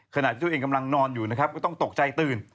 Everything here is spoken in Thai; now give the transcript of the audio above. ขณะที่ตัวเองกำลังนอนอยู่นะครับก็ต้องตกใจตื่น